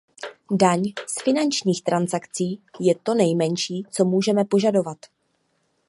Daň z finančních transakcí je to nejmenší, co můžeme požadovat.